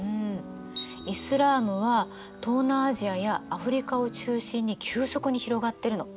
イスラームは東南アジアやアフリカを中心に急速に広がってるの。